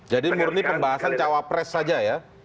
jadi murni pembahasan cawapres saja ya